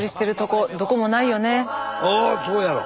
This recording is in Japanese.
ああそうやろ！